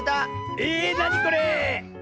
えなにこれ⁉わあ！